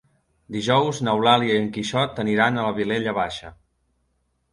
Dijous n'Eulàlia i en Quixot aniran a la Vilella Baixa.